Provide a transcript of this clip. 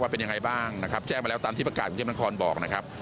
เป็นยังไงบ้างนะครับแจ้งมาแล้วตามที่ประกาศกรุงเทพนครบอกนะครับ